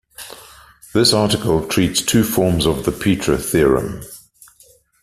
This article treats two forms of the Peetre theorem.